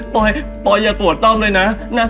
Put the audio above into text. ปอยปอยอย่ารู้ตัวต้องเลยนะ